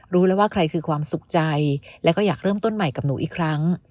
รู้แล้วว่าใครคือความสุขใจและก็อยากเริ่มต้นใหม่กับหนูอีกครั้ง